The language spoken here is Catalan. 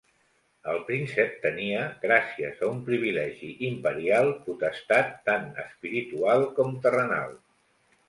El príncep tenia, gràcies a un privilegi imperial, potestat tant espiritual com terrenal.